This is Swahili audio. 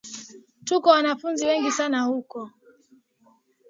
Tuko wanafunzi wengi sana huku